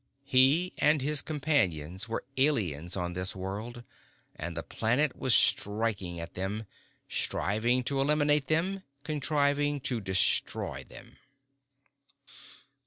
He and his companions were aliens on this world, and the planet was striking at them, striving to eliminate them, contriving to destroy them.